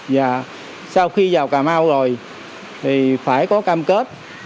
và sau khi vào cà mau rồi thì phải có cam kết